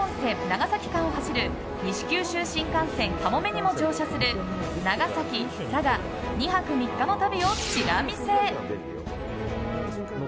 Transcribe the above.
長崎間を走る西九州新幹線「かもめ」にも乗車する長崎・佐賀２泊３日の旅をチラ見せ！